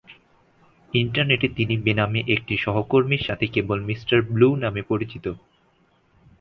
ইন্টারনেটে, তিনি বেনামে একটি সহকর্মীর সাথে কেবল "মিঃ ব্লু" নামে পরিচিত।